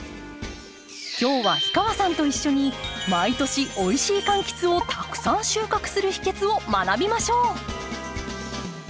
今日は氷川さんと一緒に毎年おいしい柑橘をたくさん収穫する秘けつを学びましょう。